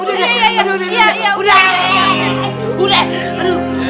udah udah udah